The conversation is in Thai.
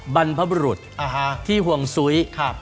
บรรพบรุษที่ห่วงซุ้ย